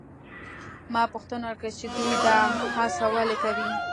ما پوښتنه وکړه چې دوی دا هڅه ولې کوي؟